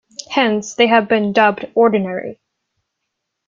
Hence, they have been dubbed "ordinary".